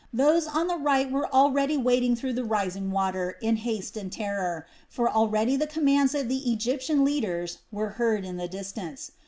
Those on the right were already wading through the rising water in haste and terror; for already the commands of the Egyptian leaders were heard in the distance.